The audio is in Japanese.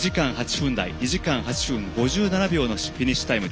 ２時間８分５７秒のフィニッシュタイム。